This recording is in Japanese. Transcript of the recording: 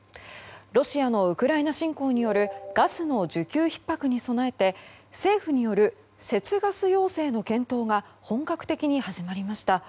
ロシアのウクライナ侵攻によるガスの需給ひっ迫に備えて政府による節ガス要請の検討が本格的に始まりました。